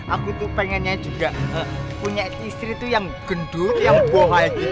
aku tuh pengennya juga punya istri tuh yang gendut yang bohong